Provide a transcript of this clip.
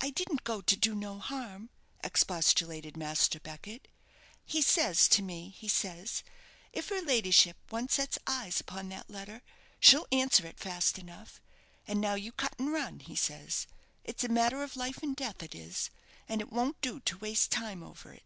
"I didn't go to do no harm," expostulated Master Beckett. "He says to me, he says, 'If her ladyship once sets eyes upon that letter, she'll arnswer it fast enough; and now you cut and run,' he says; 'it's a matter of life and death, it is, and it won't do to waste time over it.'"